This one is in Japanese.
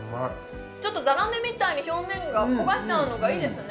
ちょっとザラメみたいに表面が焦がしてあるのがいいですね